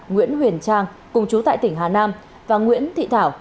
nguyễn huyền trang cùng chú tại tỉnh hà nam và nguyễn thị thảo